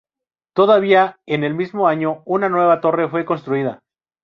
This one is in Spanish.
Todavía en el mismo año una nueva torre fue construida.